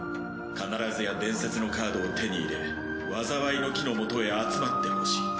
必ずや伝説のカードを手に入れ災いの樹の元へ集まってほしい。